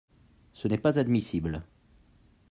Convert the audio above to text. Ce n’est pas admissible.